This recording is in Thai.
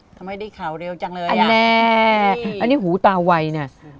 ทำให้ได้ข่าวเร็วจังเลยอ่ะอันแน่อันนี้หูตาวัยเนี่ย